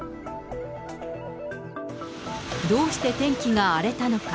どうして天気が荒れたのか。